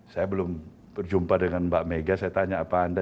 saya belum berjumpa dengan mbak mega saya tanya apa anda